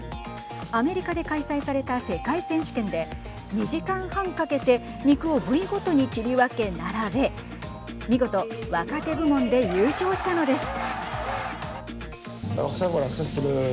アメリカで開催された世界選手権で、２時間半かけて肉を部位ごとに切り分け、並べ見事若手部門で優勝したのです。